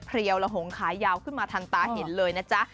เรียวละหงขายาวขึ้นมาทันตาเห็นเลยนะจ๊ะ